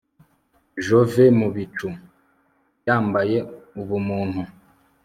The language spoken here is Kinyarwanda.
jove mu bicu yabyaye ubumuntu